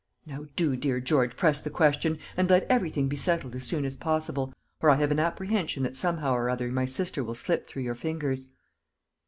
Now do, dear George, press the question, and let everything be settled as soon as possible, or I have an apprehension that somehow or other my sister will slip through your fingers."